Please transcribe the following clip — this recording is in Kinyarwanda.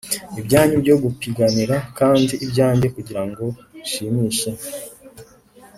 ibyanyu byo gupiganira kandi ibyanjye kugirango nshimishe. '